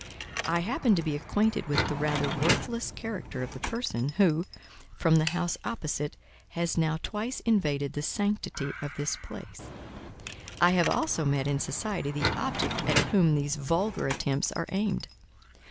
"I happen to be acquainted with the rather worthless character of the person, who, from the house opposite, has now twice invaded the sanctity of this place; I have also met in society the object at whom these vulgar attempts are aimed.